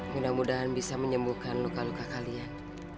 mudah mudahan bisa menyembuhkan luka luka kalian